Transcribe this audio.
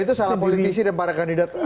dan itu salah politisi dan para kandidat